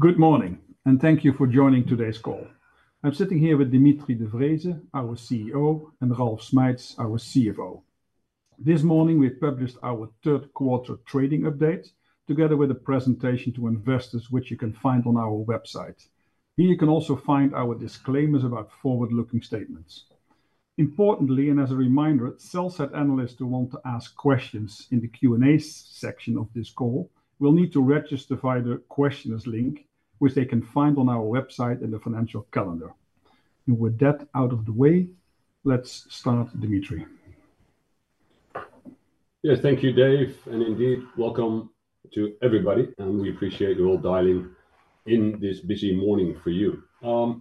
Good morning and thank you for joining today's call. I'm sitting here with Dimitri de Vreeze, our CEO, and Ralf Schmeitz, our CFO. This morning we published our third quarter trading update together with a presentation to investors, which you can find on our website. You can also find our disclaimers about forward-looking statements. Importantly, and as a reminder, sell-side analysts who want to ask questions in the Q&A section of this call will need to register via the questioners' link, which they can find on our website in the financial calendar. With that out of the way, let's start. Dimitri. Yeah, thank you Dave, and indeed welcome to everybody. We appreciate you all dialing in this busy morning. For you,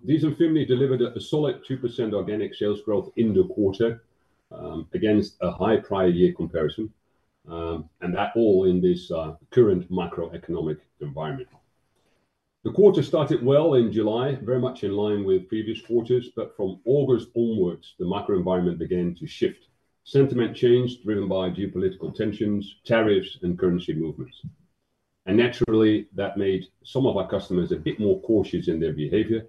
dsm-firmenich delivered a solid 2% organic sales growth in the quarter against a high prior year comparison, and that all in this current macroeconomic environment. The quarter started well in July, very much in line with previous quarters. From August onwards, the macro environment began to shift. Sentiment changed, driven by geopolitical tensions, tariffs, and currency movements. Naturally, that made some of our customers a bit more cautious in their behavior,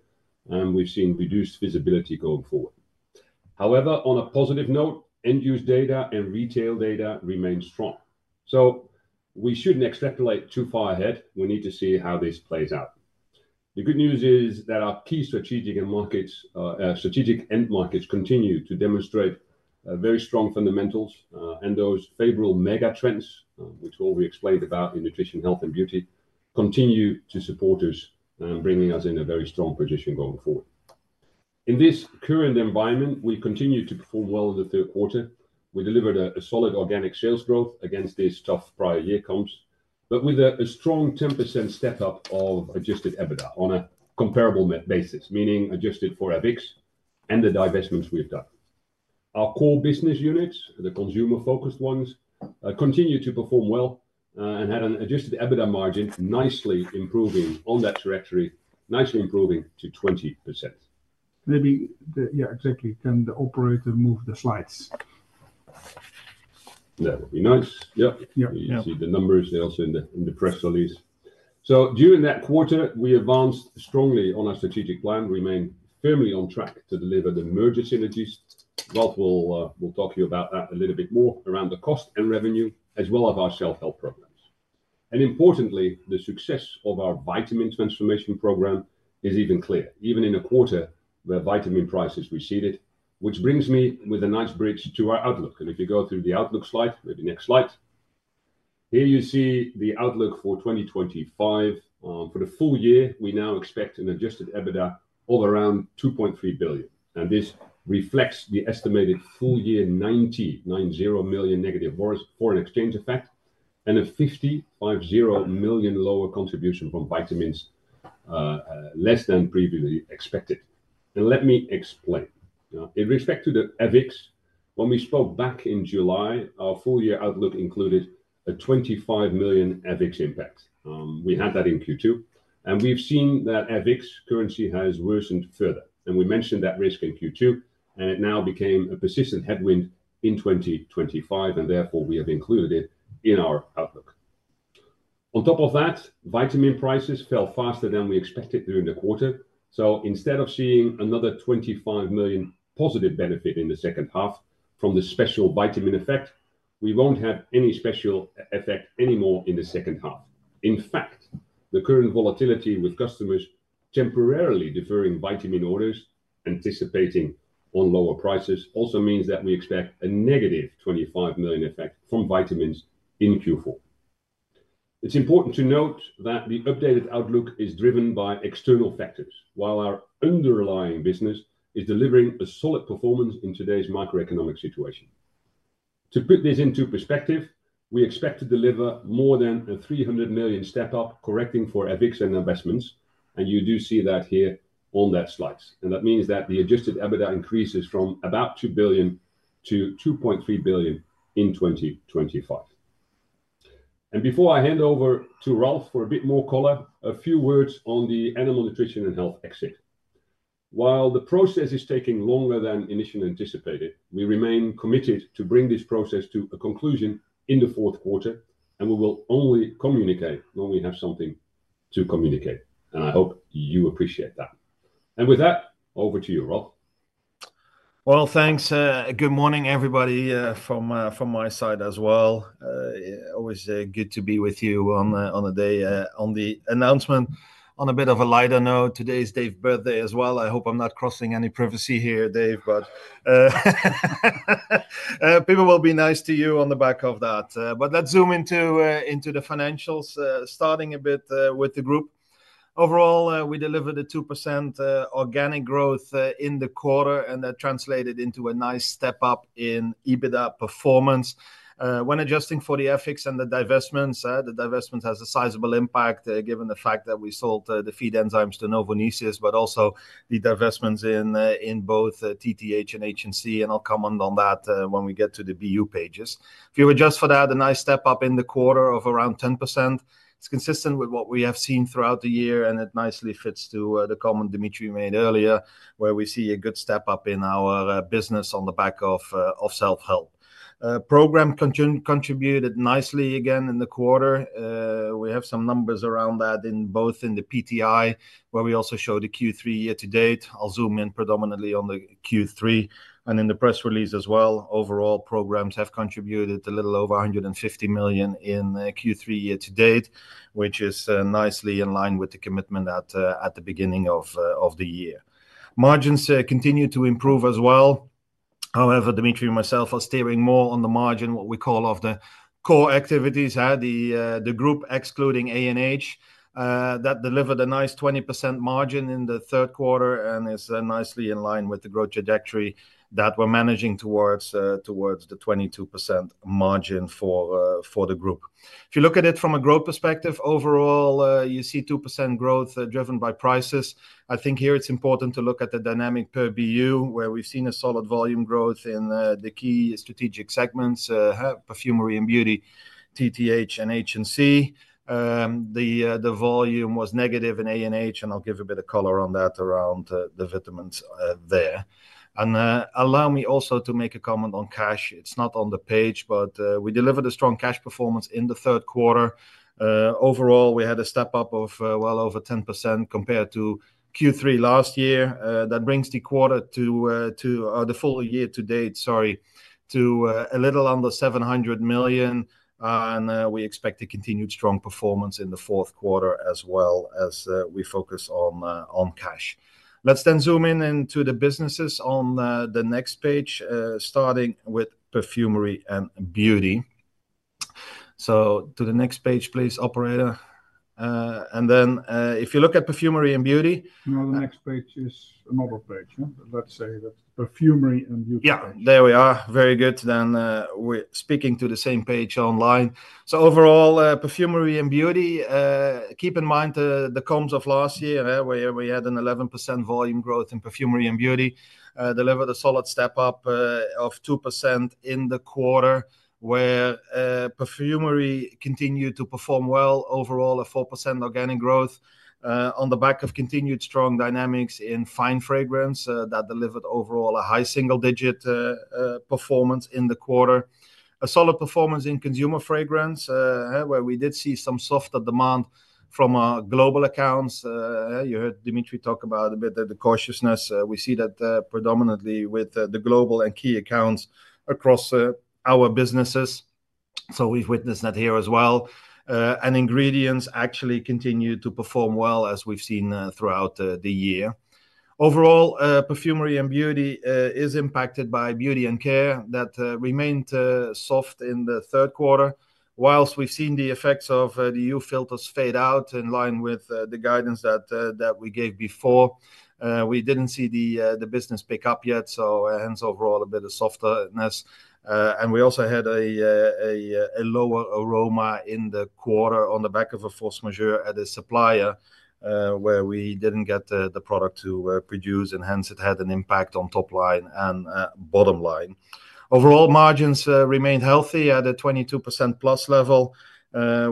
and we've seen reduced visibility going forward. However, on a positive note, end use data and retail data remain strong. We shouldn't extrapolate too far ahead. We need to see how this plays out. The good news is that our key strategic end markets continue to demonstrate very strong fundamentals, and those favorable megatrends which we explained about in nutrition, health, and beauty continue to support us and bring us in a very strong position going forward. In this current environment, we continue to perform well in the third quarter. We delivered a solid organic sales growth against these tough prior year comps, with a strong 10% step up of adjusted EBITDA on a comparable basis, meaning adjusted for FX and the divestments we've done. Our core business units, the consumer-focused ones, continued to perform well and had an adjusted EBITDA margin, nicely improving on that trajectory, nicely improving to 20% maybe. Yeah, exactly. Can the operator move the slides? That would be nice. Yeah, you see the numbers, they are also in the press release. During that quarter, we advanced strongly on our strategic plan and remain firmly on track to deliver the merger synergies. Ralf will talk to you about that a little bit more around the cost and revenue as well as our self-help programs. Importantly, the success of our vitamin transformation program is even clearer, even in a quarter where vitamin prices receded. This brings me with a nice bridge to our outlook. If you go through the outlook slide, maybe next slide. Here you see the outlook for 2025. For the full year, we now expect an adjusted EBITDA of around 2.3 billion. This reflects the estimated full year 90 million negative FX effect and a 50 million lower contribution from vitamins, less than previously expected. Let me explain in respect to the FX. When we spoke back in July, our full year outlook included a 25 million FX impact. We had that in Q2, and we've seen that FX currency has worsened further. We mentioned that risk in Q2, and it now became a persistent headwind in 2025, and therefore we have included it in our outlook. On top of that, vitamin prices fell faster than we expected during the quarter. Instead of seeing another 25 million positive benefit in the second half from the special vitamin effect, we won't have any special effect anymore in the second half. In fact, the current volatility with customers temporarily deferring vitamin orders, anticipating on lower prices, also means that we expect a -25 million effect from vitamins in Q4. It's important to note that the updated outlook is driven by external factors, while our underlying business is delivering a solid performance in today's macroeconomic situation. To put this into perspective, we expect to deliver more than a 300 million step up, correcting for FX and investments. You do see that here on that slide. That means that the adjusted EBITDA increases from about 2 billion-2.3 billion in 2025. Before I hand over to Ralf for a bit more color, a few words on the Animal Nutrition & Health exit. While the process is taking longer than initially anticipated, Ralf, we remain committed to bring this process to a conclusion in the fourth quarter. We will only communicate when we have something to communicate. I hope you appreciate that. With that, over to you, Ralf. Thank you. Good morning everybody from my side as well. Always good to be with you on a day. On the announcement, on a bit of a lighter note, today is Dave's birthday as well. I hope I'm not crossing any privacy here Dave, but people will be nice to you on the back of that. Let's zoom into the financials, starting a bit with the group. Overall, we delivered a 2% organic growth in the quarter and that translated into a nice step up in EBITDA performance when adjusting for the FX and the divestments. The divestment has a sizable impact given the fact that we sold the feed enzymes to Novonesis, but also the divestments in both TTH and HNC and I'll comment on that when we get to the BU pages. If you adjust for that, a nice step up in the quarter of around 10%. It's consistent with what we have seen throughout the year and it nicely fits to the comment Dimitri made earlier where we see a good step up in our business on the back of self-help program contributed nicely again in the quarter. We have some numbers around that in both in the PTI where we also show the Q3 year to date. I'll zoom in predominantly on the Q3 and in the press release as well. Overall, programs have contributed a little over 150 million in Q3 year to date which is nicely in line with the commitment at the beginning of the year. Margins continue to improve as well. However, Dimitri and myself are steering more on the margin, what we call of the core activities, the group excluding ANH, that delivered a nice 20% margin in the third quarter and is nicely in line with the growth trajectory that we're managing towards the 22% margin for the group. If you look at it from a growth perspective, overall you see 2% growth driven by prices. I think here it's important to look at the dynamic per BU where we've seen a solid volume growth in the key strategic segments Perfumery & Beauty, TTH, and HNC. The volume was negative in ANH and I'll give a bit of color on that around the vitamins there. Allow me also to make a comment on cash. It's not on the page but we delivered a strong cash performance in the third quarter. Overall, we had a step up of well over 10% compared to Q3 last year. That brings the quarter to the full year to date, sorry, to a little under 700 million and we expect to continue strong performance in the fourth quarter as well as we focus on cash. Let's then zoom in into the businesses on the next page starting with Perfumery & Beauty. To the next page please, operator. If you look at Perfumery. Beauty, now the next page is another page. Let's say that Perfumery & Beauty. Yeah, there we are. Very good. Then we're speaking to the same page online. Overall, Perfumery & Beauty, keep in mind the comps of last year where we had an 11% volume growth in Perfumery & Beauty, delivered a solid step up of 2% in the quarter where Perfumery continued to perform well. Overall, a 4% organic growth on the back of continued strong dynamics in fine fragrance that delivered overall a high single-digit performance in the quarter, a solid performance in consumer fragrance where we did see some softer demand from global accounts. You heard Dimitri talk about a bit the cautiousness. We see that predominantly with the global and key accounts across our businesses, so we've witnessed that here as well. Ingredients actually continue to perform well as we've seen throughout the year. Overall, Perfumery & Beauty is impacted by Beauty & Care that remained soft in the third quarter. Whilst we've seen the effects of the EU filters fade out in line with the guidance that we gave before, we didn't see the business pick up yet. Hence, overall a bit of softness and we also had a lower aroma in the quarter on the back of a force majeure at a supplier where we didn't get the product to produce and it had an impact on top line and bottom line. Overall, margins remained healthy at a 22% plus level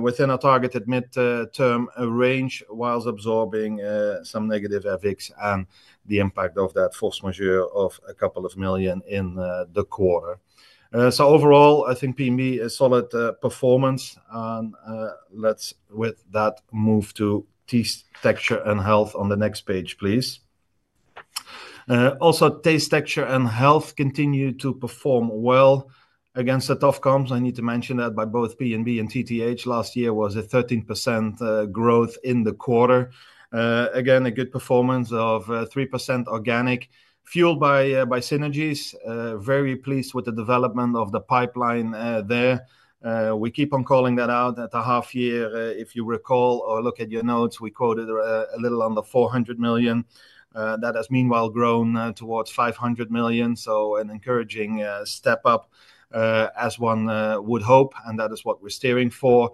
within our targeted mid-term range whilst absorbing some negative FX and the impact of that force majeure of a couple of million in the quarter. Overall, I think P&B is solid performance. Let's with that move to Taste, Texture & Health on the next page please. Also, Taste, Texture & Health continue to perform well against the tough comps. I need to mention that by both Perfumery & Beauty and Taste, Texture & Health last year was a 13% growth in the quarter, again a good performance of 3% organic fueled by synergies. Very pleased with the development of the pipeline there. We keep on calling that out at the half year, if you recall or look at your notes, we quoted a little under 400 million. That has meanwhile grown towards 500 million. An encouraging step up as one would hope, and that is what we're steering for.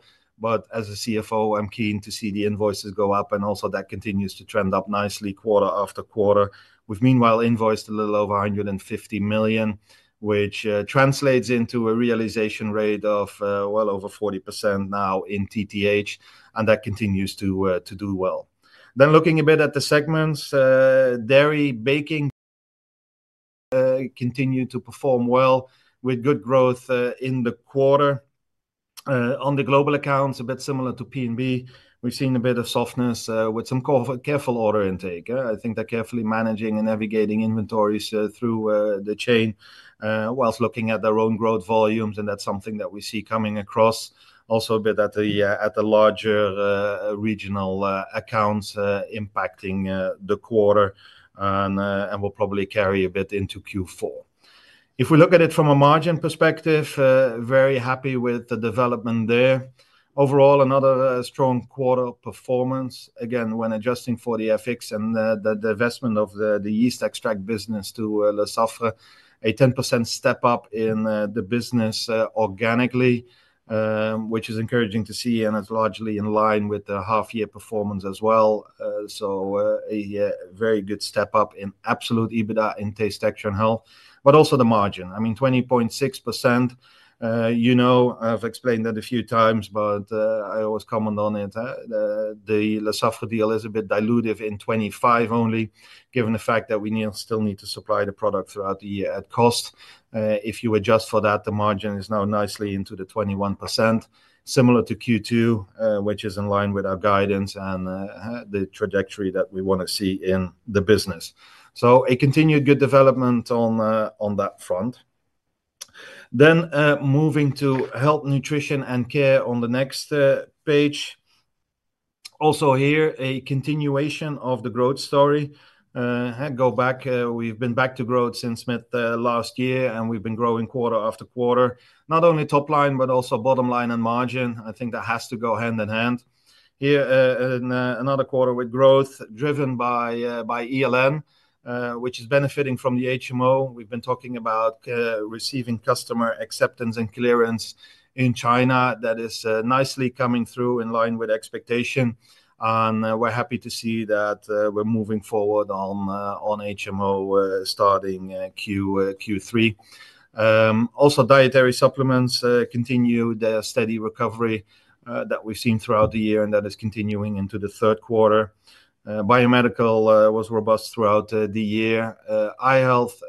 As a CFO I'm keen to see the invoices go up and also that continues to trend up nicely quarter after quarter. We've meanwhile invoiced a little over 150 million which translates into a realization rate of well over 40% now in TTH and that continues to do well. Looking a bit at the segments. Dairy, Baking continued to perform well with good growth in the quarter on the global accounts. A bit similar to P&B, we've seen a bit of softness with some careful order intake. I think they're carefully managing and navigating inventories through the chain whilst looking at their own growth volumes, and that's something that we see coming across also a bit at the larger regional accounts impacting the quarter and will probably carry a bit into Q4. If we look at it from a margin perspective, very happy with the development there. Overall, another strong quarter performance again when adjusting for the FX and the divestment of the yeast extract business to Lesaffre. A 10% step up in the business organically, which is encouraging to see, and it's largely in line with the half year performance as well. A very good step up in absolute EBITDA in Taste, Texture & Health, but also the margin, I mean 20.6%. You know I've explained that a few times, but I always comment on it. The Lesaffre deal is a bit dilutive in 2025 only, given the fact that we still need to supply the product throughout the year at cost. If you adjust for that, the margin is now nicely into the 21%, similar to Q2, which is in line with our guidance and the trajectory that we want to see in the business. A continued good development on that front. Moving to Health, Nutrition & Care on the next page. Also here, a continuation of the growth story. We've been back to growth since mid last year, and we've been growing quarter after quarter, not only top line but also bottom line and margin. I think that has to go hand in hand here in another quarter with growth driven by ELN, which is benefiting from the HMO. We've been talking about receiving customer acceptance and clearance in China. That is nicely coming through in line with expectation, and we're happy to see that we're moving forward on HMO starting Q3. Also, dietary supplements continue their steady recovery that we've seen throughout the year, and that is continuing into the third quarter. Biomedical was robust throughout the year. i-Health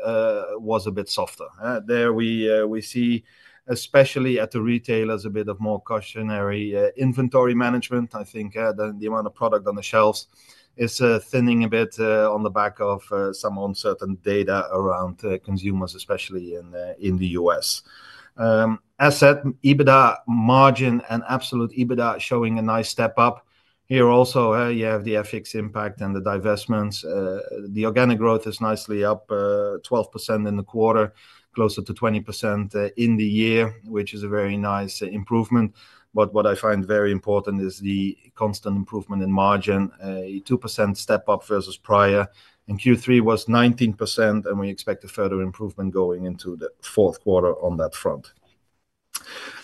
was a bit softer there. We see especially at the retailers a bit of more cautionary inventory management. I think the amount of product on the shelves is thinning a bit on the back of some uncertain data around consumers, especially in the U.S. Absolute EBITDA margin and absolute EBITDA showing a nice step up here. Also, you have the FX impact and the divestments. The organic growth is nicely up 12% in the quarter, closer to 20% in the year, which is a very nice improvement. What I find very important is the constant improvement in margin. A 2% step up versus prior, and Q3 was 19%, and we expect a further improvement going into the fourth quarter on that front.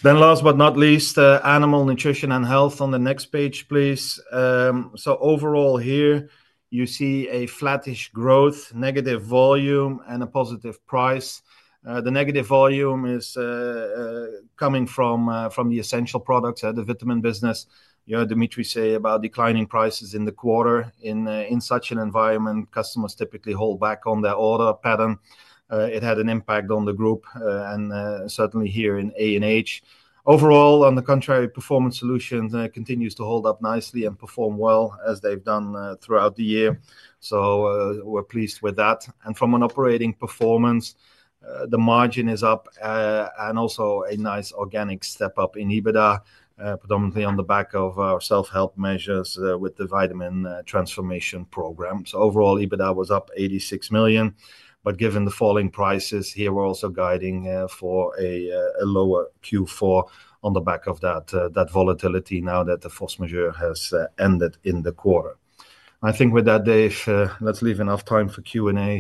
Last but not least, Animal Nutrition & Health on the next page please. Overall, here you see a flattish growth, negative volume, and a positive price. The negative volume is coming from the essential products at the vitamins business. You heard Dimitri say about declining prices in the quarter. In such an environment, customers typically hold back on their order pattern. It had an impact on the group and certainly here in ANH overall. On the contrary, Performance Solutions continues to hold up nicely and perform well as they've done throughout the year. We're pleased with that. From an operating performance, the margin is up and also a nice organic step up in EBITDA, predominantly on the back of our self-help measures with the vitamin transformation program. Overall, EBITDA was up 86 million. Given the falling prices here, we're also guiding for a lower Q4 on the back of that volatility now that the force majeure has ended in the quarter. I think with that, Dave, let's leave enough time for Q&A.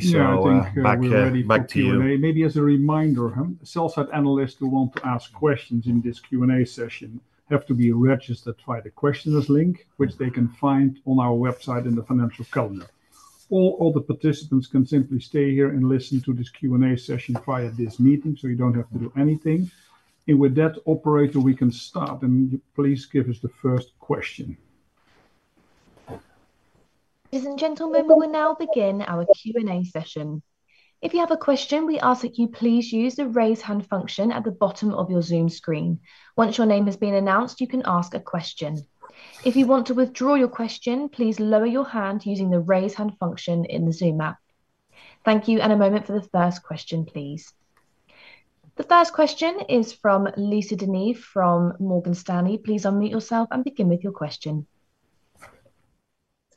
Back to you. Maybe as a reminder, self analysts who want to ask questions in this Q and A session have to be registered by the Questioners link, which they can find on our website in the Financial Calendar. All the participants can simply stay here and listen to this Q and A session via this meeting, so you don't have to do anything. With that, operator, we can start, and please give us the first question. Ladies and gentlemen, we will now begin our Q and A session. If you have a question, we ask that you please use the Raise hand function at the bottom of your Zoom screen. Once your name has been announced, you can ask a question. If you want to withdraw your question, please lower your hand using the Raise hand function in the Zoom app. Thank you. A moment for the first question, please. The first question is from Lisa De Neve from Morgan Stanley. Please unmute yourself and begin with your question.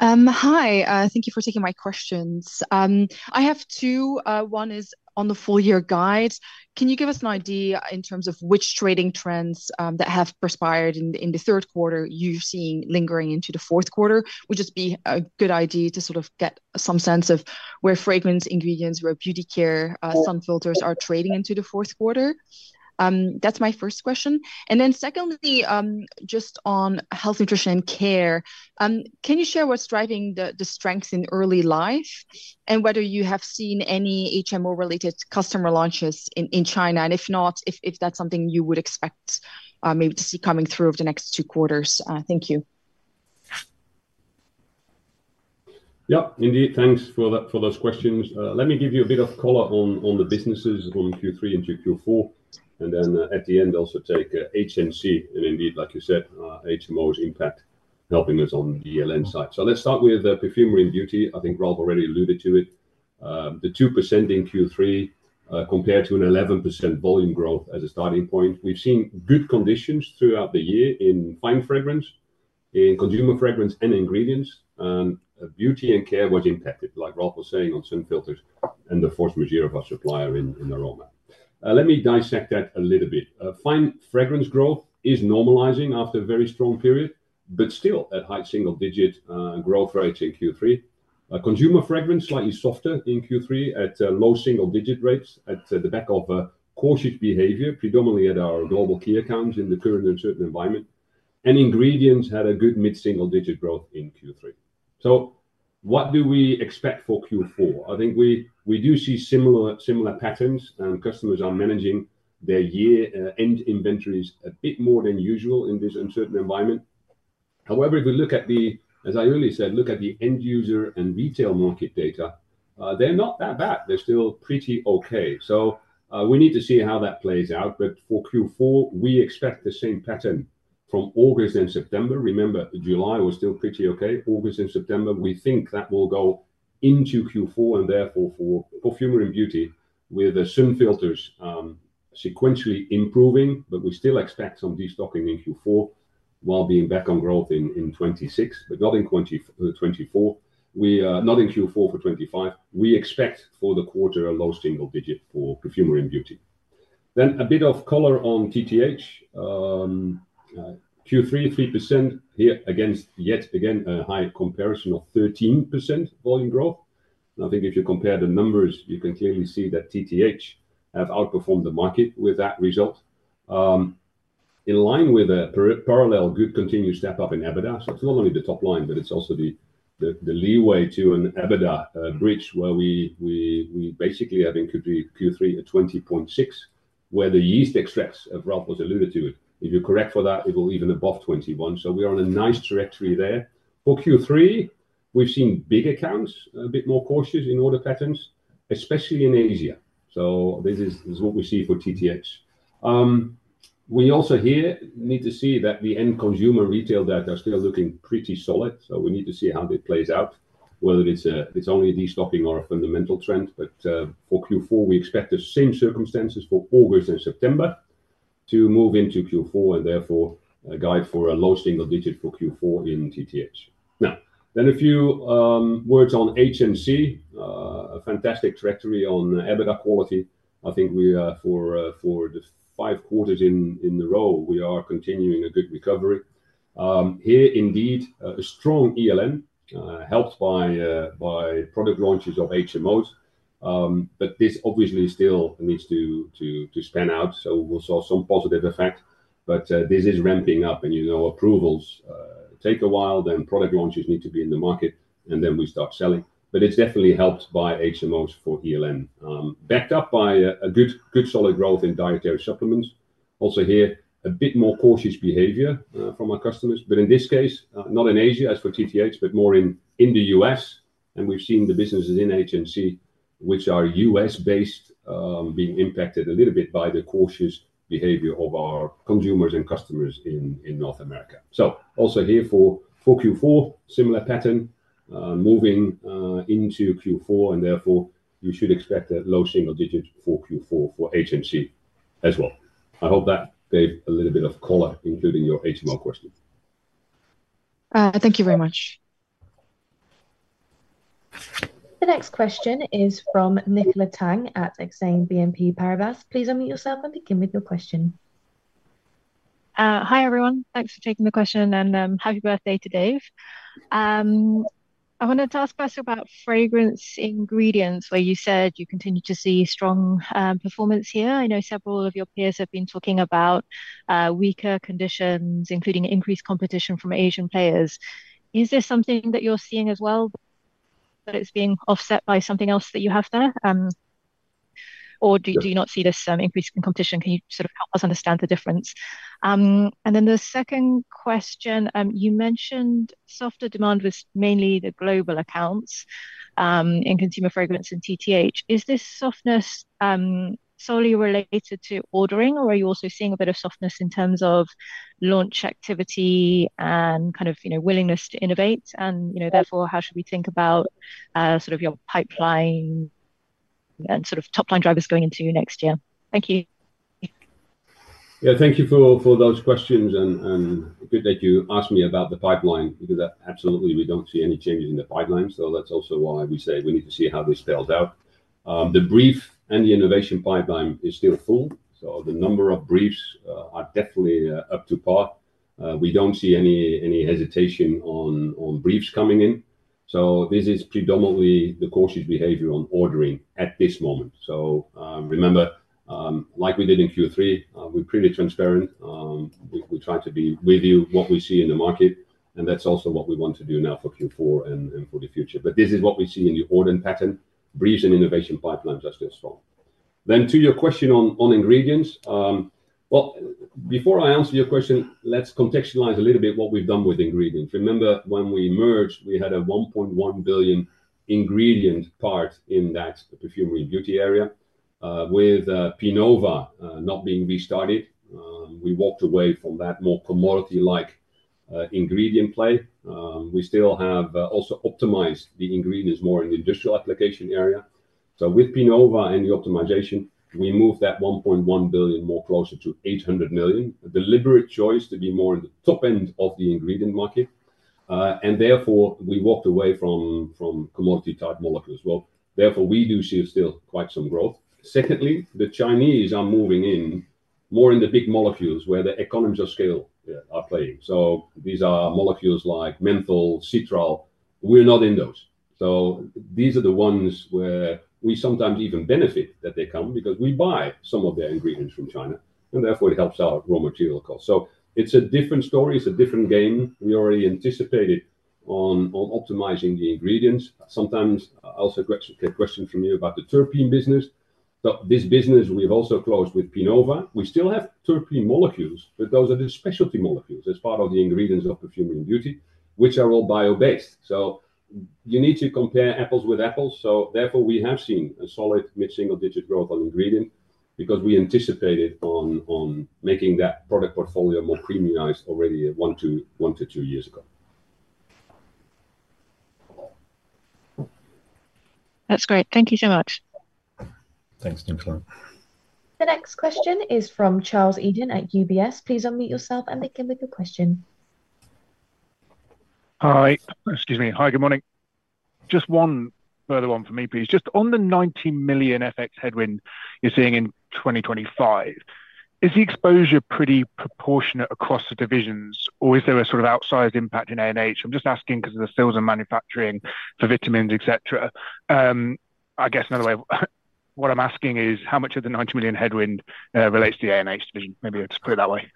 Hi, thank you for taking my questions. I have two. One is on the full year guide. Can you give us an idea in terms of which trading trends that have transpired in the third quarter you're seeing lingering into the fourth quarter? Would just be a good idea to sort of get some sense of where fragrance ingredients, where beauty care sun filters are trading into the fourth quarter. That's my first question. Then secondly, just on Health, Nutrition & Care, can you share what's driving the strengths in Early Life and whether you have seen any HMO related customer launches in China and if not, if that's something you would expect maybe to see coming through over the next two quarters? Thank you. Yeah, indeed. Thanks for those questions. Let me give you a bit of color on the businesses from Q3 and Q4 and then at the end also take HNC and indeed, like you said, HMO's impact helping us on the ELN side. Let's start with Perfumery & Beauty. I think Ralf already alluded to it. The 2% in Q3 compared to an 11% volume growth as a starting point. We've seen good conditions throughout the year in fine fragrance, in consumer fragrance and ingredients. Beauty and care was impacted, like Ralf was saying, on sun filters and the force majeure of a supplier in aroma. Let me dissect that a little bit. Fine fragrance growth is normalizing after a very strong period but still at high single-digit growth rates in Q3. Consumer fragrance was slightly softer in Q3 at low single-digit rates at the back of cautious behavior predominantly at our global key accounts in the current uncertain environment. Ingredients had a good mid single-digit growth in Q3. What do we expect for Q4? We do see similar patterns and customers are managing their year-end inventories a bit more than usual in this uncertain environment. However, if we look at the, as I really said, look at the end user and retail market data, they're not that bad. They're still pretty okay. We need to see how that plays out. For Q4 we expect the same pattern from August and September. Remember July was still pretty okay. August and September, we think that will go into Q4 and therefore for Perfumery & Beauty with the sun filters sequentially improving. We still expect some destocking in Q4 while being back on growth in 2026 but not in 2024. Not in Q4 for 2025. We expect for the quarter a low single-digit for Perfumery & Beauty. Then a bit of color on TTH. Q3, 3% here against yet again a high comparison of 13% volume growth. I think if you compare the numbers you can clearly see that TTH have outperformed the market with that result in line with a parallel good continued step up in EBITDA. It's not only the top line but it's also the leeway to an EBITDA bridge where we basically have in Q3 a 20.6 where the yeast extracts, as Ralf alluded to it, if you correct for that it will even be above 21. We are on a nice trajectory there for Q3. We've seen big accounts a bit more cautious in order patterns, especially in Asia. This is what we see for TTH. We also here need to see that the end consumer retail data is still looking pretty solid. We need to see how it plays out, whether it's only a destocking or a fundamental trend. For Q4, we expect the same circumstances for August and September to move into Q4 and therefore guide for a low single digit for Q4 in TTH. Now, a few words on HNC, a fantastic trajectory on adjusted EBITDA quality. I think for the five quarters in a row we are continuing a good recovery here. Indeed, a strong ELN helped by product launches of HMOs. This obviously still needs to span out. We saw some positive effect, but this is ramping up and, you know, approvals take a while. Product launches need to be in the market and then we start selling. It's definitely helped by HMOs for ELN, backed up by a good solid growth in dietary supplements. Also here, a bit more cautious behavior from our customers, but in this case not in Asia as for TTH, but more in the U.S., and we've seen the businesses in HNC, which are U.S. based, being impacted a little bit by the cautious behavior of our consumers and customers in North America. Also here for Q4, similar pattern moving into Q4 and therefore you should expect a low single digit for Q4 for Nutrition & Care as well. I hope that gave a little bit of color, including your HMO questions. Thank you very much. The next question is from Nicola Tang at BNP Paribas Exane. Please unmute yourself and begin with your question. Hi everyone, thanks for taking the question and happy birthday to Dave. I wanted to ask first about fragrance ingredients where you said you continue to see strong performance here. I know several of your peers have been talking about weaker conditions, including increased competition from Asian players. Is this something that you're seeing as well, that it's being offset by something else that you have there, or do you not see this increase in competition? Can you help us understand the difference? The second question you mentioned, softer demand was mainly the global accounts in consumer fragrance and TTH. Is this softness solely related to ordering, or are you also seeing a bit of softness in terms of launch activity and willingness to innovate? Therefore, how should we think about your pipeline and top line drivers going into next year? Thank you. Yeah, thank you for those questions and good that you asked me about the pipeline because absolutely we don't see any changes in the pipeline. That's also why we say we need to see how this spells out the brief. The innovation pipeline is still full. The number of briefs are definitely up to par. We don't see any hesitation on briefs coming in. This is predominantly the course's behavior on ordering at this moment. Remember like we did in Q3, we're pretty transparent. We try to be with you what we see in the market and that's also what we want to do now for Q4 and for the future. This is what we see in the order pattern. Briefs and innovation pipelines are still strong. To your question on ingredients, before I answer your question, let's contextualize a little bit what we've done with ingredients. Remember when we merged we had a 1.1 billion ingredient part in that Perfumery & Beauty area. With Pinova not being restarted, we walked away from that more commodity-like ingredient play. We have also optimized the ingredients more in the industrial application area. With Pinova and the optimization, we move that 1.1 billion more closer to 800 million. A deliberate choice to be more in the top end of the ingredient market. Therefore, we walked away from commodity-type molecules. We do see still quite some growth. Secondly, the Chinese are moving in more in the big molecules where the economies of scale are playing. These are molecules like menthol, citral. We're not in those. These are the ones where we sometimes even benefit that they come because we buy some of their ingredients from China and therefore it helps our raw material cost. It's a different story, it's a different game. We already anticipated on optimizing the ingredients. Sometimes also get questions from you about the terpene business. This business we've also closed with Pinova. We still have terpene molecules but those are the specialty molecules as part of the ingredients of Perfumery & Beauty which are all bio-based. You need to compare apples with apples. Therefore, we have seen a solid mid single digit growth on ingredient because we anticipated on making that product portfolio more premiumized already one to two years ago. That's great. Thank you so much. Thanks Nicola. The next question is from Charles Eden at UBS. Please unmute yourself and begin with your question. Hi, excuse me. Hi, good morning. Just one further one for me please. Just on the 19 million FX headwind you're seeing in 2025, is the exposure pretty proportionate across the divisions or is there a sort of outsized impact in ANH? I'm just asking because of the sales and manufacturing for vitamins, etc. I guess another way what I'm asking is how much of the 19 million headwind relates to the ANH division. Maybe I'll just put it that way.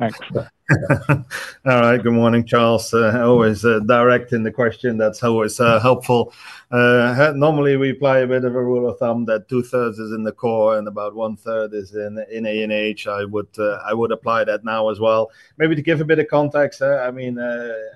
Thanks. All right. Good morning, Charles. Always directing the question, that's always helpful. Normally we apply a bit of a rule of thumb that 2/3 is in the core and about one third is in ANH. I would apply that now as well, maybe to give a bit of context. I mean,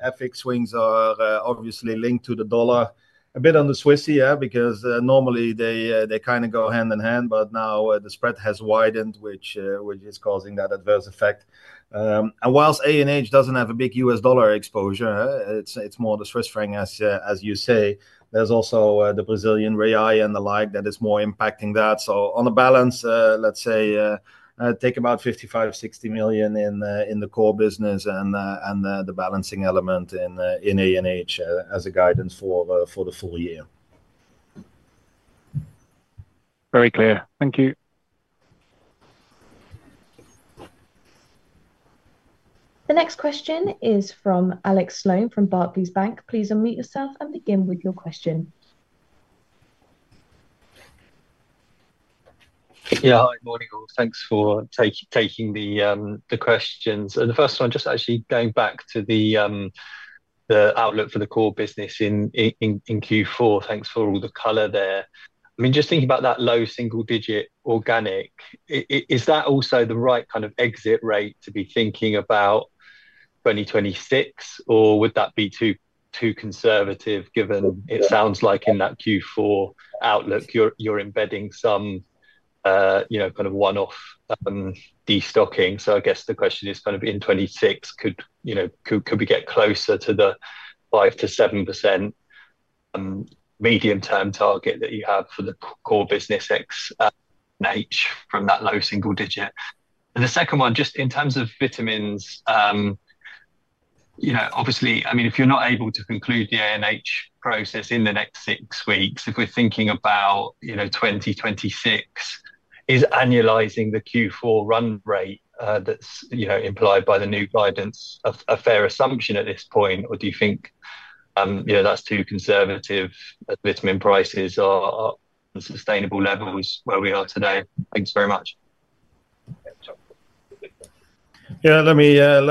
FX swings are obviously linked to the dollar, a bit on the Swiss here because normally they kind of go hand in hand, but now the spread has widened, which is causing that adverse effect. Whilst ANH doesn't have a big U.S. dollar exposure, it's more the Swiss franc. As you say, there's also the Brazilian real and the like that is more impacting that. On the balance, let's say take about 55 million-60 million in the core business and the balancing element in ANH as a guidance for the full year. Very clear. Thank you. The next question is from Alex Sloane from Barclays Bank. Please unmute yourself and begin with your question. Yeah, hi. Morning. Thanks for taking the questions. The first one, just actually going back to the outlook for the core business in Q4. Thanks for all the color there. I mean, just thinking about that low single digit organic. Is that also the right kind of exit rate to be thinking about 2026 or would that be too conservative given it sounds like in that Q4 outlook you're embedding some kind of one-off destocking? I guess the question is, in 2026, could we get closer to the 5%-7% medium term target that you have for the core business ANH from that low single digit? The second one, just in terms of vitamins, obviously, if you're not able to conclude the ANH process in the next six weeks, if we're thinking about 2026, is annualizing the Q4 run rate that's implied by the new guidance a fair assumption at this point or do you think that's too conservative? Vitamin prices are at sustainable levels where we are today. Thanks very much. Yeah, let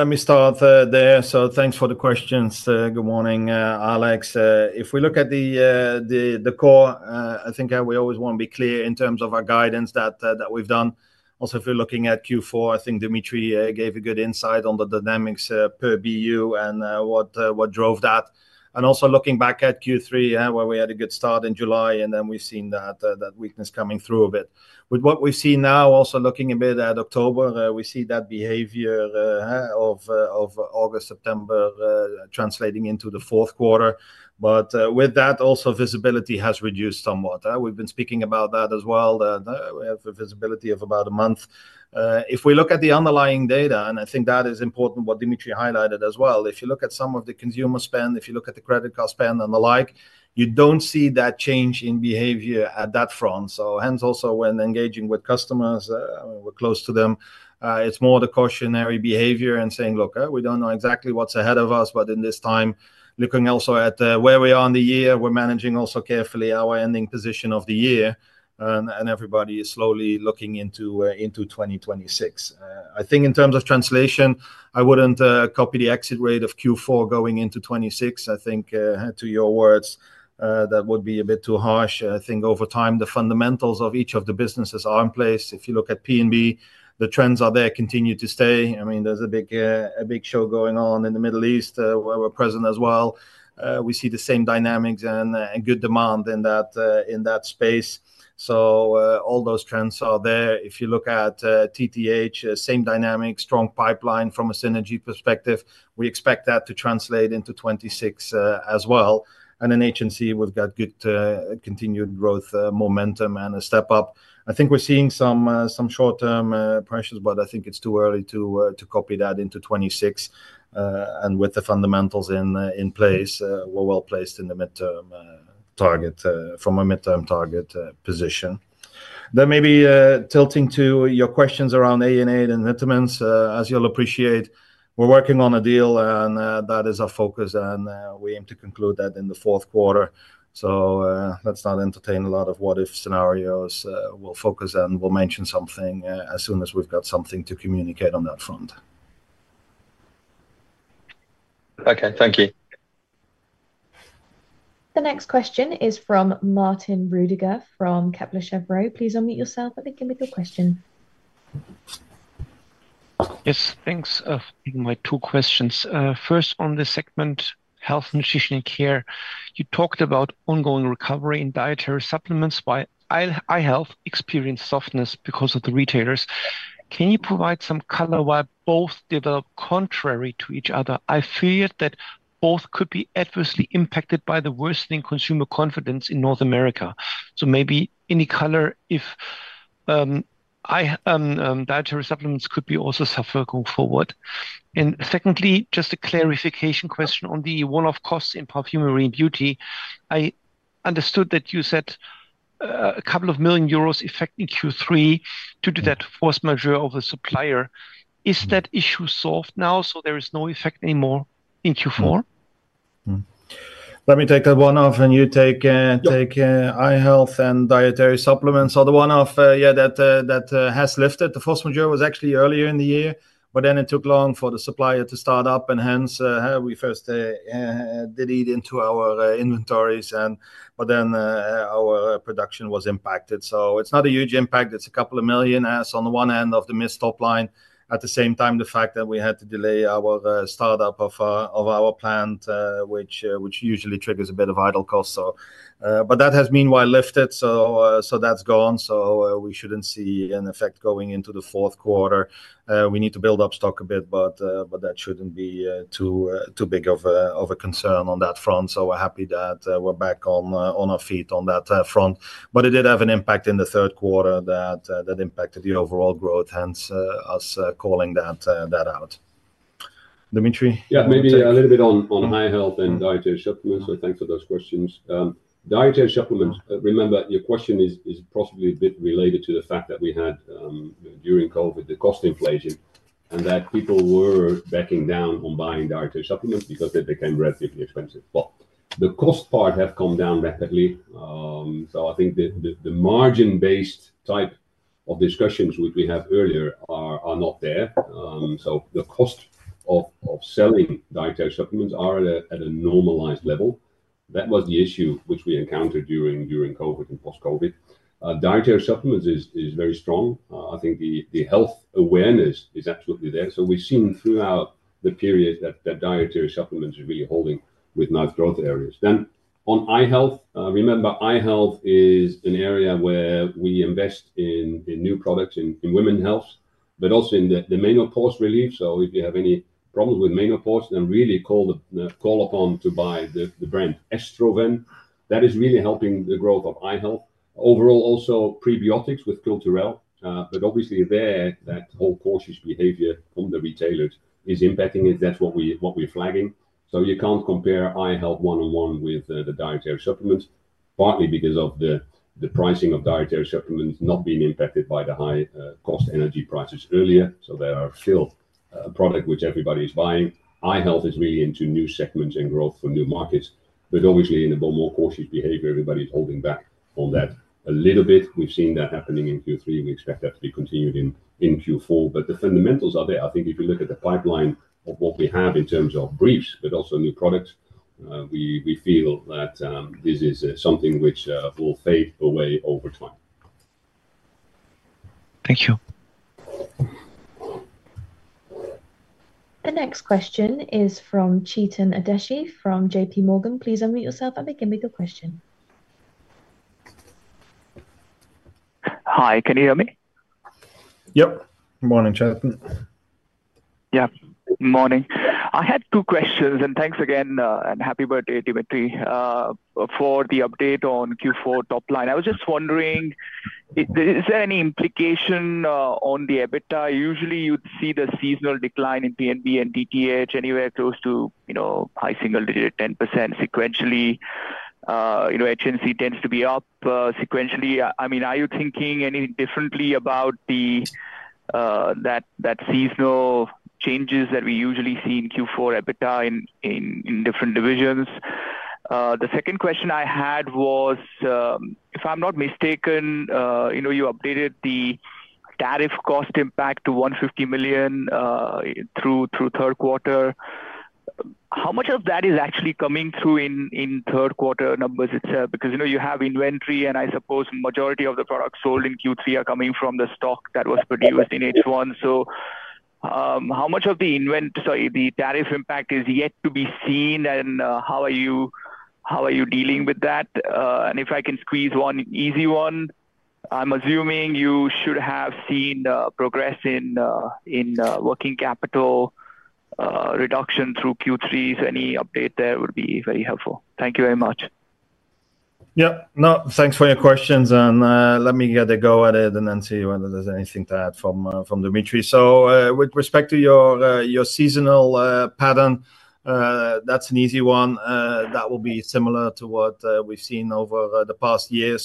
me start there. Thanks for the questions. Good morning, Alex. If we look at the core, I think we always want to be clear in terms of our guidance that we've done. Also, if you're looking at Q4, I think Dimitri gave a good insight on the dynamics per BU and what drove that. Also, looking back at Q3 where we had a good start in July, we've seen that weakness coming through a bit with what we see now. Also, looking a bit at October, we see that behavior of August and September translating into the fourth quarter. With that, visibility has reduced somewhat. We've been speaking about that as well. We have a visibility of about a month. If we look at the underlying data, and I think that is important, what Dimitri highlighted as well. If you look at some of the consumer spend, if you look at the credit card spend and the like, you don't see that change in behavior at that front. Hence, also when engaging with customers, we're close to them, it's more the cautionary behavior and saying, look, we don't know exactly what's ahead of us. In this time, looking also at where we are in the year, we're managing also carefully our ending position of the year and everybody is slowly looking into 2026. I think in terms of translation, I wouldn't copy the exit rate of Q4 going into 2026. To your words, that would be a bit too harsh. Over time, the fundamentals of each of the businesses are in place. If you look at P&B, the trends are there, continue to stay. There's a big show going on in the Middle East where we're present as well. We see the same dynamics and good demand in that space. All those trends are there. If you look at TTH, same dynamic, strong pipeline from a synergy perspective, we expect that to translate into 2026 as well. In HNC, we've got good continued growth, momentum and a step up. We're seeing some short-term pressures, but I think it's too early to copy that into 2026. With the fundamentals in place, we're well placed in the midterm target. From a midterm target position, maybe tilting to your questions around ANH and vitamins. As you'll appreciate, we're working on a deal and that is our focus and we aim to conclude that in the fourth quarter. Let's not entertain a lot of what-if scenarios. We'll focus and we'll mention something as soon as we've got something to communicate on that front. Okay, thank you. The next question is from Martin Rödiger from Kepler Cheuvreux. Please unmute yourself at the beginning with your question. Yes, thanks for taking my two questions. First on the segment Health, Nutrition & Care, you talked about ongoing recovery in dietary supplements while eye health experienced softness. Because of the retailers, can you provide some color why both develop contrary to each other? I feared that both could be adversely impacted by the worsening consumer confidence in North America. Maybe any color if. Dietary supplements. Could be also suffer going forward. Just a clarification question on the one-off costs in Perfumery & Beauty. I understood that you said a couple of million euros effect in Q3 due to that force majeure of the supplier. Is that issue solved now? There is no effect anymore in Q4? Let me take that one off and you take eye health and dietary supplements or the one of. Yeah, that has lifted. The phosphateur was actually earlier in the year, but then it took long for the supplier to start up, and hence we first did eat into our inventories, but then our production was impacted. It's not a huge impact. It's a couple of million as on the one end of the missed top line. At the same time, the fact that we had to delay our startup of our plant, which usually triggers a bit of idle cost, but that has meanwhile lifted, so that's gone. We shouldn't see an effect going into the fourth quarter. We need to build up stock a bit, but that shouldn't be too big of a concern on that front. We're happy that we're back on our feet on that front. It did have an impact in the third quarter that impacted the overall growth, hence us calling that out. Dimitri? Yeah, maybe a little bit on i-Health and dietary supplements. Thanks for those questions. Dietary supplements, remember your question is possibly a bit related to the fact that we had during COVID the cost inflation and that people were backing down on buying dietary supplements because they became relatively expensive. The cost part has come down rapidly. I think the margin-based type of discussions which we had earlier are not there. The cost of selling dietary supplements is at a normalized level. That was the issue which we encountered during COVID, and post-COVID dietary supplements is very strong. I think the health awareness is absolutely there. We've seen throughout the period that dietary supplements are really holding with nice growth areas. On i-Health, remember i-Health is an area where we invest in new products in women's health but also in menopause relief. If you have any problems with menopause, then really call upon to buy the brand Estroven. That is really helping the growth of i-Health overall. Also prebiotics with Culturelle, but obviously there that whole cautious behavior from the retailers is impacting it. That's what we're flagging. You can't compare i-Health one on one with the dietary supplements, partly because of the pricing of dietary supplements not being impacted by the high cost energy prices earlier. There are still a product which everybody is buying. i-Health is really into new segments and growth for new markets. Obviously, in a more cautious behavior, everybody's holding back on that a little bit. We've seen that happening in Q3. We expect that to be continued in Q4. The fundamentals are there. I think if you look at the pipeline of what we have in terms of briefs but also new products, we feel that this is something which will fade away over time. Thank you. The next question is from Chetan Udeshi from JPMorgan. Please unmute yourself and begin with your question. Hi, can you hear me? Yep. Morning Chet. Yeah, morning. I had two questions and thanks again and happy birthday, Dimitri. For the update on Q4 top line, I was just wondering, is there any implication on the EBITDA? Usually you'd see the seasonal decline in P&B and TTH anywhere close to, you know, high single digit 10% sequentially. You know, HNC tends to be up sequentially. I mean, are you thinking any differently about the, that seasonal changes that we usually see in Q4 EBITDA in different divisions? The second question I had was, if I'm not mistaken, you updated the tariff cost impact to 150 million through third quarter. How much of that is actually coming through in third quarter numbers itself? Because you have inventory and I suppose majority of the products sold in Q3 are coming from the stock that was produced in H1. How much of the inventory the tariff impact is yet to be seen and how are you dealing with that? If I can squeeze one easy one, I'm assuming you should have seen progress in working capital reduction through Q3. Any update there would be very helpful. Thank you very much. Yep. No, thanks for your questions and let me get a go at it and then see whether there's anything to add from Dimitri. With respect to your seasonal pattern, that's an easy one. That will be similar to what we've seen over the past year.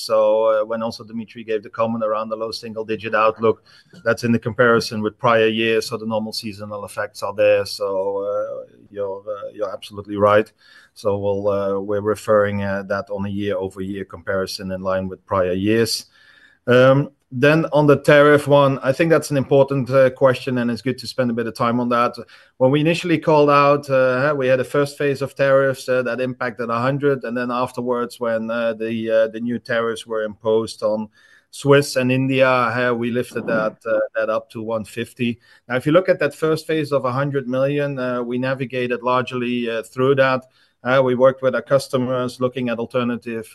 When also Dimitri gave the comment around the low single digit outlook, that's in the comparison with prior year. The normal seasonal effects are there. You're absolutely right. We're referring to that on a year-over-year comparison in line with prior years. On the tariff one, I think that's an important question. It's good to spend a bit of time on that. When we initially called out, we had a first phase of tariffs that impacted 100 million. Afterwards, when the new tariffs were imposed on Switzerland and India, we lifted that up to 150 million. If you look at that first phase of 100 million, we navigated largely through that. We worked with our customers, looking at alternative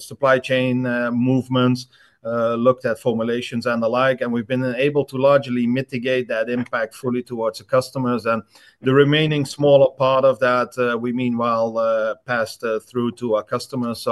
supply chain movements, looked at formulations and the like. We've been able to largely mitigate that impact fully towards the customers. The remaining smaller part of that we meanwhile passed through to our customers.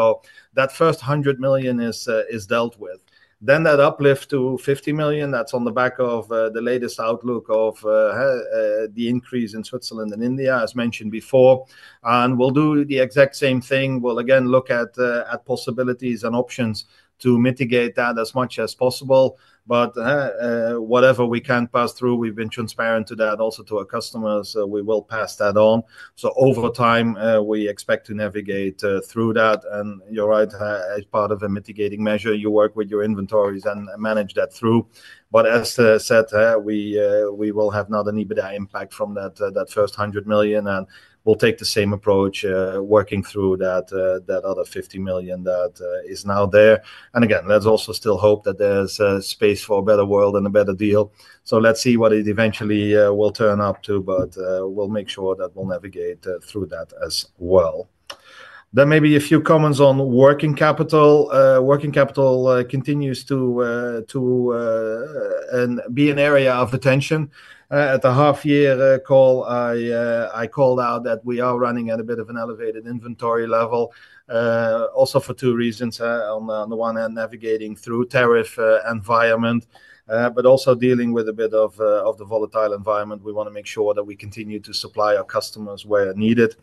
That first 100 million is dealt with. That uplift to 50 million, that's on the back of the latest outlook of the increase in Switzerland and India, as mentioned before. We'll do the exact same thing. We'll again look at possibilities and options to mitigate that as much as possible. Whatever we can pass through, we've been transparent to that also to our customers, we will pass that on. Over time we expect to navigate through that. You're right, as part of a mitigating measure, you work with your inventories and manage that through. As said, we will have not an EBITDA impact from that first 100 million. We'll take the same approach working through that other 50 million that is now there. Again, let's also still hope that there's space for a better world and a better deal. Let's see what it eventually will turn up to. We'll make sure that we'll navigate through that as well. Maybe a few comments on working capital. Working capital continues to be an area of attention. At the half year call, I called out that we are running at a bit of an elevated inventory level also for two reasons. On the one hand, navigating through tariff environment, but also dealing with a bit of the volatile environment. We want to make sure that we continue to supply our customers where needed.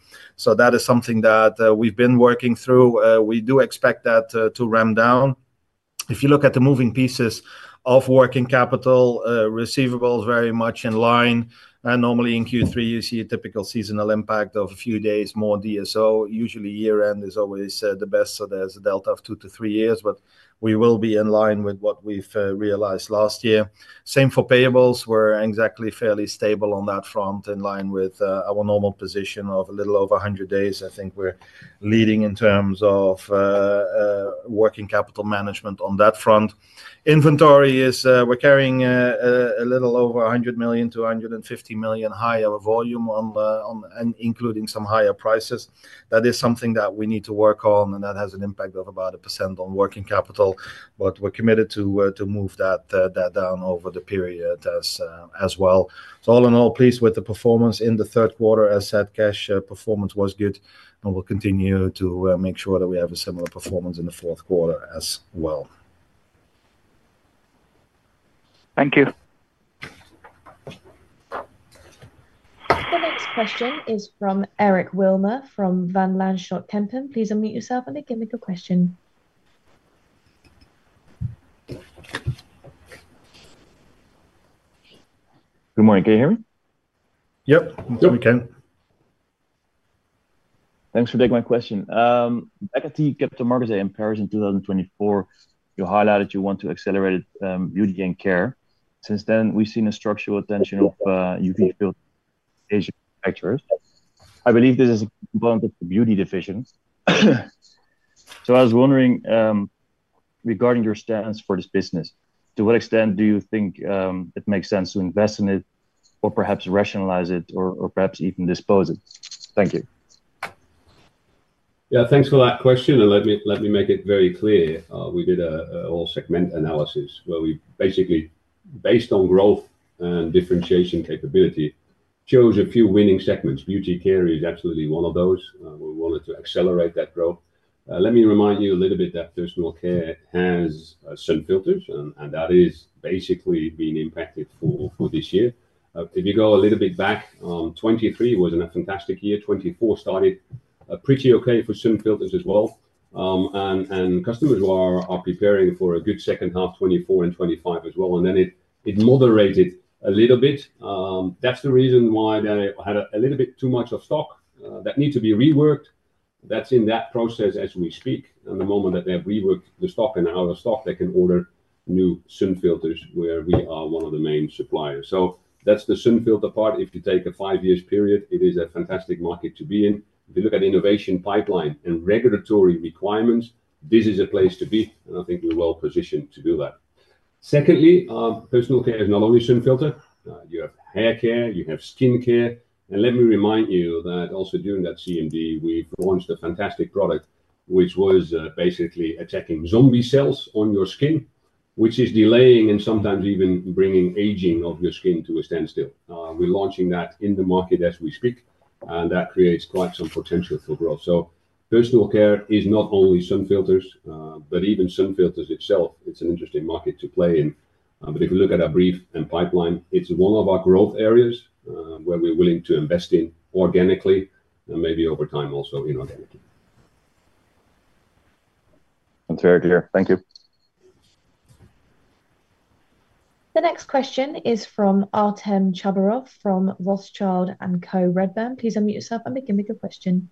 That is something that we've been working through. We do expect that to ramp down. If you look at the moving pieces of working capital, receivables very much in line, and normally in Q3 you see a typical seasonal impact of a few days more. DSO, usually year end is always the best. There's a delta of two to three days, but we will be in line with what we've realized last year. Same for payables, we're exactly fairly stable on that front, in line with our normal position of a little over 100 days. I think we're leading in terms of working capital management on that front. Inventory is, we're carrying a little over 100 million-150 million higher volume on and including some higher prices. That is something that we need to work on and that has an impact of about 1% on working capital. We're committed to move that down over the period as well. All in all, pleased with the performance in the third quarter. As said, cash performance was good and we'll continue to make sure that we have a similar performance in the fourth quarter as well. Thank you. The next question is from Eric Wilmer from Van Lanschot Kempen. Please unmute yourself and begin with your question. Good morning. Can you hear me? Yep, we can. Thanks for taking my question. Back at the Capital Markets Day in Paris in 2024, you highlighted you want. To accelerate Beauty and Care. Since then we've seen a structural attention of Asian manufacturers. I believe this is a component of the Beauty division. I was wondering regarding your stance. For this business, to what extent do you. You think it makes sense to invest. In it or perhaps rationalize it or perhaps even dispose it? Thank you. Yeah, thanks for that question. Let me make it very clear. We did a whole segment analysis where we basically, based on growth and differentiation capability, chose a few winning segments. Beauty care is absolutely one of those. We wanted to accelerate that growth. Let me remind you a little bit that personal care has sun filters, and that is basically being impacted for this year. If you go a little bit back, 2023 was a fantastic year. 2024 started pretty okay for sun filters as well, and customers are preparing for a good second half, 2024 and 2025 as well. It moderated a little bit. That's the reason why they had a little bit too much of stock that need to be reworked. That's in that process as we speak. The moment that they have reworked the stock and out of stock, they can order new sun filters where we are one of the main suppliers. That's the sun filter part. If you take a five years period, it is a fantastic market to be in. If you look at innovation pipeline and regulatory requirements, this is a place to be, and I think we're well positioned to do that. Secondly, personal care is not only sun filter, you have hair care, you have skin care. Let me remind you that also during that CMD, we've launched a fantastic product which was basically attacking zombie cells on your skin, which is delaying and sometimes even bringing aging of your skin to a standstill. We're launching that in the market as we speak, and that creates quite some potential for growth. Personal care is not only sun filters, but even sun filters itself, it's an interesting market to play in. If you look at our brief and pipeline, it's one of our growth areas where we're willing to invest in organically and maybe over time also inorganically. That's very clear. Thank you. The next question is from Artem Chubarov from Rothschild & Co Redburn. Please unmute yourself and begin with your question.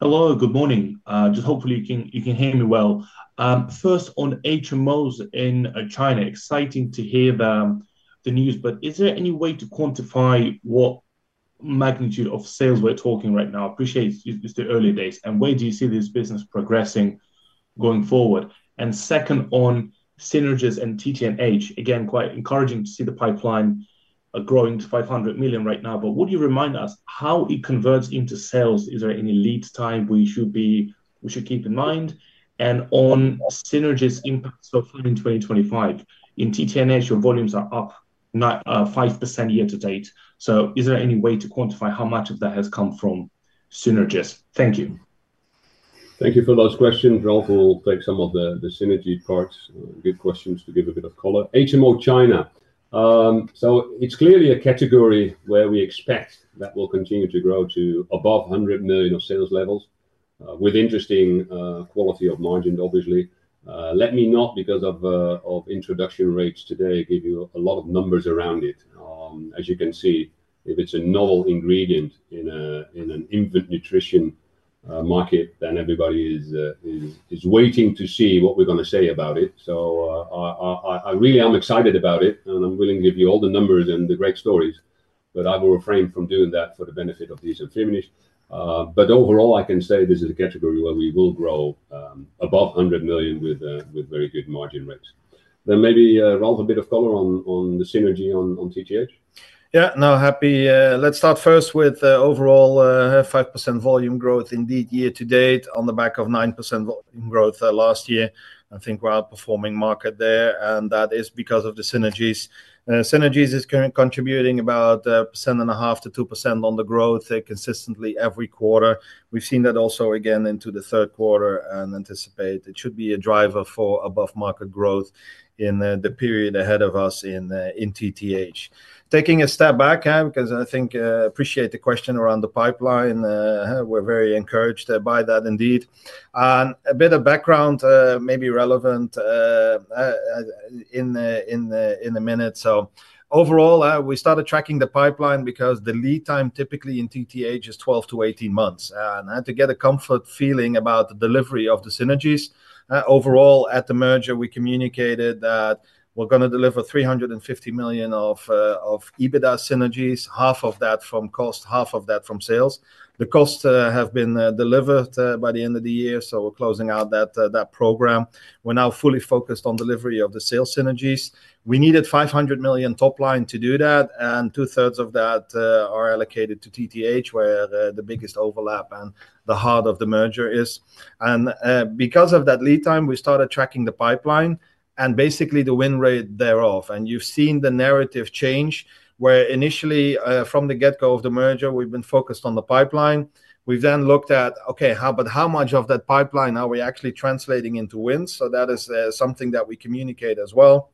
Hello, good morning. Hopefully you can hear me. on HMOs in China. Exciting to hear the news. Is there any way to quantify what magnitude of sales we're talking right now? I appreciate it's the early days. Where do you see this business progressing going forward? Second, on synergies and TTH, again, quite encouraging to see the pipeline growing to 500 million right now. Would you remind us how it converts into sales? Is there any lead time we should keep in mind? On synergies impact so far in 2025 in TTH, your volumes are up 5% year to date. Is there any way to quantify? How much of that has come from synergies? Thank you. Thank you for those questions. Ralf will take some of the synergy parts. Good questions to give a bit of color. HMO China, so it's clearly a category where we expect that will continue to grow to above 100 million of sales levels with interesting quality of margins, obviously. Let me not, because of introduction rates today, give you a lot of numbers around it. As you can see, if it's a novel ingredient in an infant nutrition market, then everybody is waiting to see what we're going to say about it. I really am excited about it and I'm willing to give you all the numbers and the great stories, but I will refrain from doing that for the benefit of dsm-firmenich. Overall, I can say this is a category where we will grow above 100 million with very good margin rates. Maybe Ralf, a bit of color on the synergy on TTH. Yeah, no, happy. Let's start first with overall 5% volume growth indeed year to date on the back of 9% growth last year. I think we're outperforming market there and that is because of the synergies. Synergies is contributing about 1.5%-2% on the growth consistently every quarter. We've seen that also again into the third quarter and anticipate it should be a driver for above market growth in the period ahead of us in TTH. Taking a step back because I think appreciate the question around the pipeline. We're very encouraged by that. Indeed, a bit of background may be relevant in a minute. Overall, we started tracking the pipeline because the lead time typically in TTH is 12-18 months. To get a comfort feeling about the delivery of the synergies overall at the merger, we communicated that we're going to deliver 350 million of EBITDA synergies. Half of that from cost, half of that from sales. The cost have been delivered by the end of the year. Closing out that program, we're now fully focused on delivery of the sales synergies. We needed 500 million top line to do that and two-thirds of that are allocated to TTH where the biggest overlap and the heart of the merger is. Because of that lead time, we started tracking the pipeline and basically the win rate thereof. You've seen the narrative change where initially from the get-go of the merger we've been focused on the pipeline. We've then looked at, okay, how about how much of that pipeline are we actually translating into wins? That is something that we communicate as well.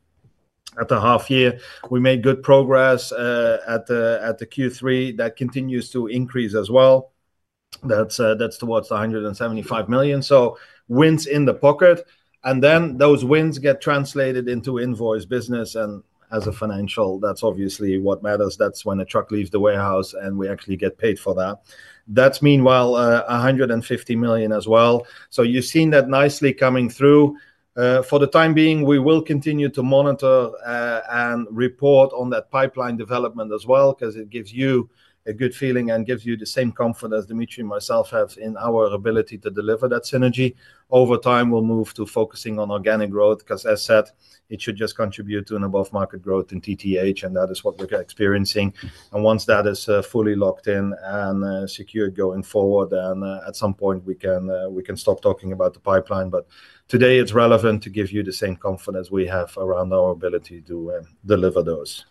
At the half year we made good progress. At the Q3 that continues to increase as well. That's towards 175 million, so wins in the pocket, and then those wins get translated into invoice business. As a financial, that's obviously what matters. That's when a truck leaves the warehouse and we actually get paid for that. That's meanwhile 150 million as well. You've seen that nicely coming through. For the time being, we will continue to monitor and report on that pipeline development as well because it gives you a good feeling and gives you the same comfort as Dimitri and myself have in our ability to deliver that synergy. Over time, we'll move to focusing on organic growth because as said, it should just contribute to an above market growth in TTH. That is what we're experiencing. Once that is fully locked in and secured going forward, at some point we can stop talking about the pipeline. Today it's relevant to give you the same confidence we have around our ability to deliver those.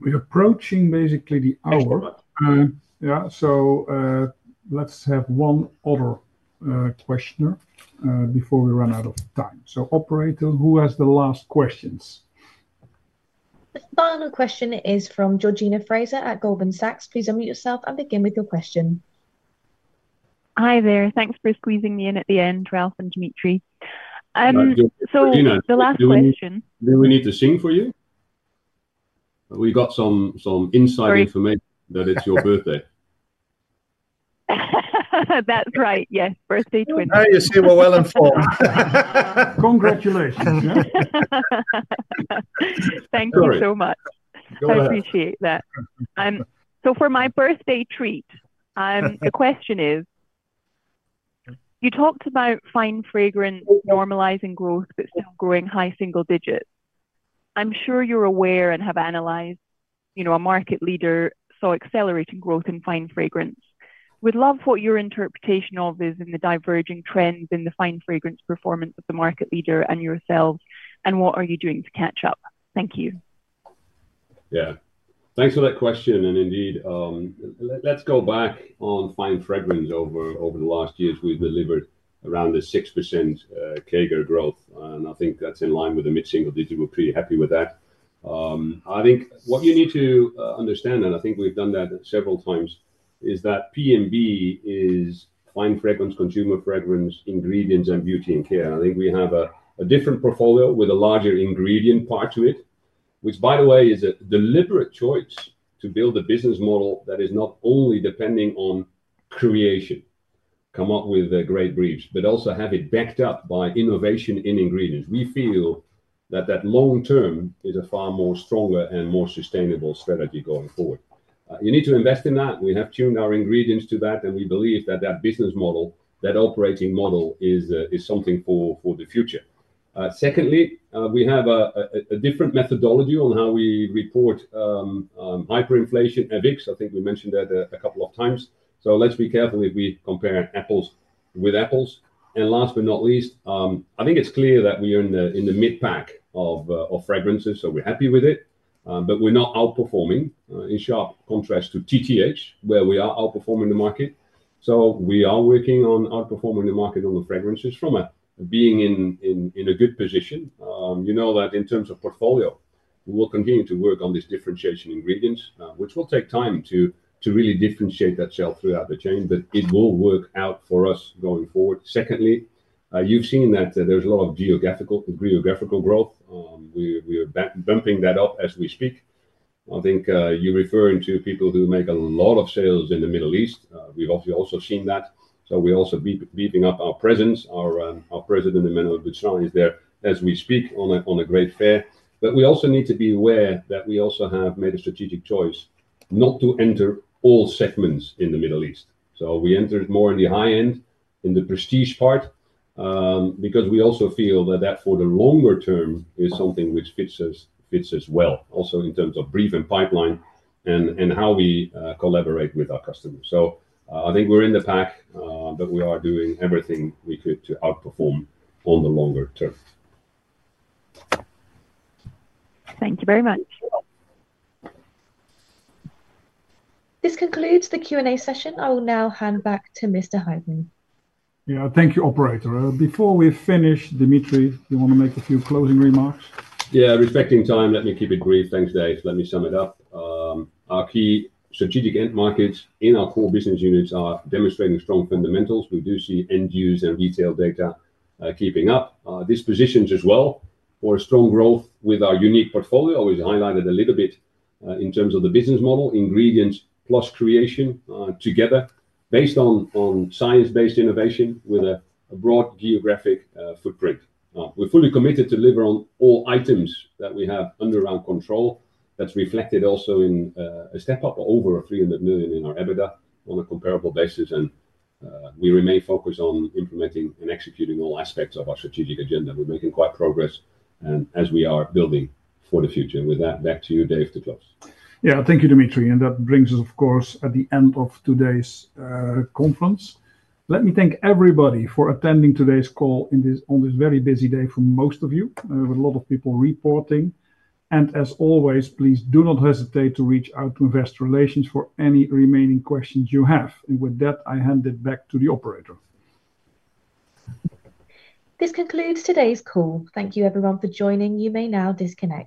We're approaching basically the hour. Let's have one other questioner before we run out of time. Operator, who has the last questions? The final question is from Georgina Fraser at Goldman Sachs. Please unmute yourself and begin with your question. Hi there. Thanks for squeezing me in at the end. Ralf and Dimitri. The last question. Do we need to sing for you? We got some inside information that it's your birthday. That's right, yeah. Birthday twin. Now you see we're well informed. Congratulations. Thank you so much. I appreciate that. For my birthday treat, the question is, you talked about fine fragrance normalizing growth but still growing high single digits. I'm sure you're aware and have analyzed a market leader saw accelerating growth in fine fragrance. I would love your interpretation of the diverging trends in the fine fragrance performance of the market leader and yourselves, and what you are doing to catch up. Thank you. Yeah, thanks for that question. Indeed, let's go back on fine fragrance. Over the last years we've delivered around a 6% CAGR growth and I think that's in line with the mid single digit. We're pretty happy with that. What you need to understand, and I think we've done that several times, is that P&B is fine fragrance, consumer fragrance, ingredients, and beauty and care. We have a different portfolio with a larger ingredient part to it, which by the way is a deliberate choice to build a business model that is not only depending on creation, come up with great briefs, but also have it backed up by innovation in ingredients. We feel that long term is a far more stronger and more sustainable strategy going forward. You need to invest in that. We have tuned our ingredients to that and we believe that business model, that operating model, is something for the future. Secondly, we have a different methodology on how we report hyperinflation EBITDA, I think we mentioned that a couple of times. Let's be careful if we compare apples with apples. Last but not least, I think it's clear that we are in the mid pack of fragrances. We're happy with it, but we're not outperforming. In sharp contrast to TTH where we are outperforming the market. We are working on outperforming the market on the fragrances from being in a good position. You know that in terms of portfolio, we will continue to work on this differentiation in ingredients, which will take time to really differentiate that shell throughout the chain, but it will work out for us going forward. You've seen that there's a lot of geographical growth. We are bumping that up as we speak. I think you're referring to people who make a lot of sales in the Middle East, we've obviously also seen that. We are also beefing up our presence. Our President Emmanuel Butstraen is there as we speak on a great fair. We also need to be aware that we have made a strategic choice not to enter all segments in the Middle East. We entered more in the high end in the prestige part because we also feel that for the longer term is something which fits us well also in terms of brief and pipeline and how we collaborate with our customers. I think we're in the pack. We are doing everything we could to outperform on the longer term. Thank you very much. This concludes the Q&A session. I will now hand back to Mr. Huizing. Yeah, thank you, operator. Before we finish, Dimitri, you want to make a few closing remarks? Yeah, reflecting time. Let me keep it brief. Thanks Dave. Let me sum it up. Our key strategic end markets in our core business units are demonstrating strong fundamentals. We do see end use and retail data keeping up this positions as well for strong growth with our unique portfolio is highlighted a little bit in terms of the business model, ingredients plus creation together based on science-based innovation with a broad geographic footprint. We're fully committed to deliver on all items that we have under our control. That's reflected also in a step up over 300 million in our adjusted EBITDA on a comparable basis. We remain focused on implementing and executing all aspects of our strategic agenda. We're making quite progress as we are building for the future. With that, back to you Dave. To close. Yeah, thank you, Dimitri. That brings us, of course, to the end of today's conference. Let me thank everybody for attending today's call on this very busy day for most of you with a lot of people reporting. As always, please do not hesitate to reach out to investor relations for any remaining questions you have. With that, I hand it back to the operator. This concludes today's call. Thank you everyone for joining. You may now disconnect.